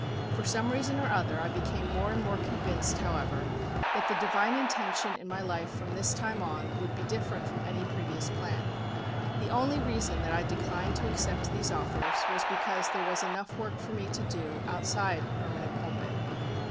For some reason or other I became more and more convinced, however, that the divine intention in my life from this time on would be different from any previous plan. The only reason that I declined to accept these offers was because there was enough work for me to do outside a permanent pulpit.